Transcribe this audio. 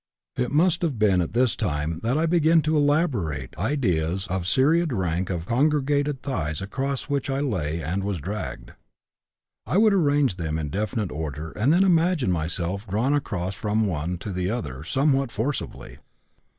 It must have been at this time that I began to elaborate ideas of a serried rank of congregated thighs across which I lay and was dragged. I would arrange them in definite order and then imagine myself drawn across from one to the other somewhat forcibly.